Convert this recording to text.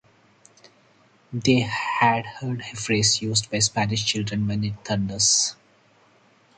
They had heard a phrase used by Spanish children when it thunders.